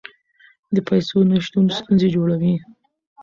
د پیسو نشتون ستونزې جوړوي.